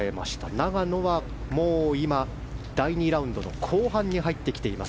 永野はもう今、第２ラウンドの後半に入ってきています。